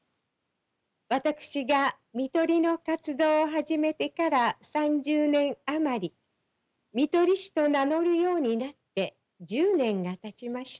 私が看取りの活動を始めてから３０年余り看取り士と名乗るようになって１０年がたちました。